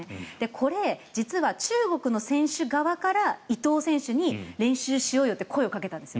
これ、実は中国の選手側から伊藤選手に練習しようよって声をかけたんですよ。